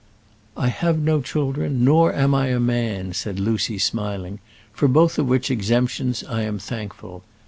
"I have no children, nor am I a man," said Lucy, smiling; "for both of which exemptions I am thankful.